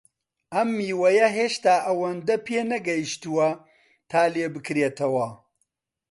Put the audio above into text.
ئەم میوەیە هێشتا ئەوەندە پێنەگەیشتووە تا لێبکرێتەوە.